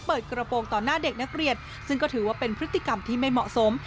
เปิดกระโปรงต่อหน้าเด็กนักเรียนซึ่งก็ถือว่าเป็นพฤติกรรมที่ไม่เหมาะสม